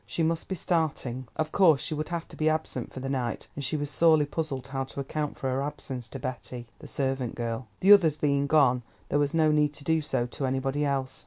She must be starting. Of course, she would have to be absent for the night, and she was sorely puzzled how to account for her absence to Betty, the servant girl; the others being gone there was no need to do so to anybody else.